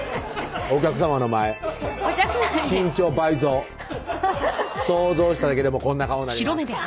お客さまの前緊張倍増想像しただけでもこんな顔なります